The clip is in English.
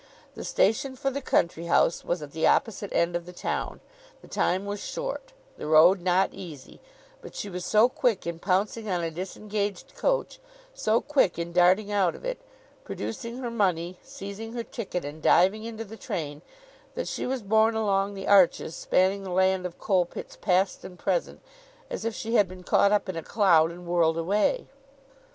The station for the country house was at the opposite end of the town, the time was short, the road not easy; but she was so quick in pouncing on a disengaged coach, so quick in darting out of it, producing her money, seizing her ticket, and diving into the train, that she was borne along the arches spanning the land of coal pits past and present, as if she had been caught up in a cloud and whirled away.